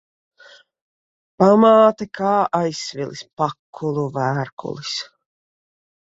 Pamāte kā aizsvilis pakulu vērkulis.